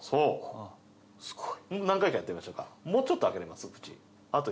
すごい！